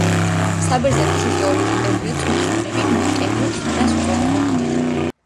საბერძნეთის ისტორიის პერიოდს მეცნიერები მიკენურ ხანას უწოდებენ.